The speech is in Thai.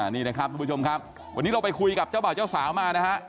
นี่นะครับทุกผู้ชมครับวันนี้เราไปคุยกับเจ้าบ่าวเจ้าสาวมานะฮะ